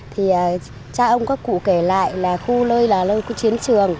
thì cha ông các cụ kể lại là khu lơi là lơi của chiến trường